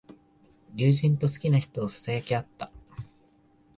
友人と好きな人をささやき合った。